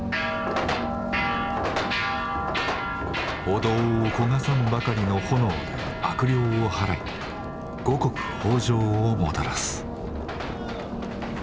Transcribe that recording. お堂を焦がさんばかりの炎で悪霊をはらい五穀豊穣をもたらす。